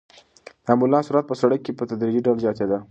د امبولانس سرعت په سړک کې په تدریجي ډول زیاتېده.